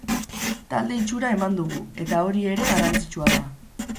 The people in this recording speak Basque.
Talde itxura eman dugu, eta hori ere garrantzitsua da.